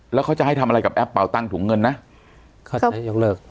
แล้วเขาจะให้ทำอะไรกับแอปเป่าตั้งถุงเงินนะเขาจะให้ยกเลิก